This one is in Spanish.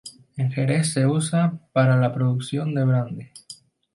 En Jerez se usa para la producción de brandy.